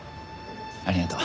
ありがとう。